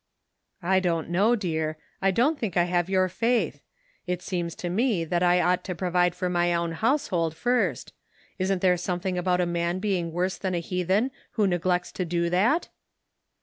"I don't know, dear; I don't think I have your faith; it seems to me that I ought to provide for my own household first ; isn't there something about a man being worse than a heathen who neglects to do that